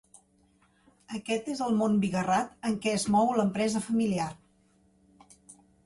Aquest és el món bigarrat en què es mou l’empresa familiar.